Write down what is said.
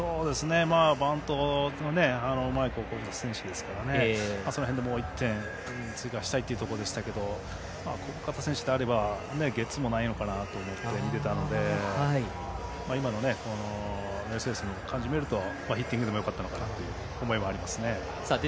バントのうまい選手ですからその辺で１点追加したいということでしたが小深田選手ならゲッツーもないかなと思って見ていたので今のメルセデスの感じを見るとヒッティングでもよかったのかなという思いもあります。